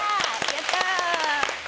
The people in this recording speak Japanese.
やったー！